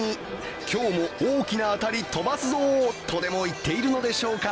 今日も大きな当たり、飛ばすぞとでも言っているのでしょうか。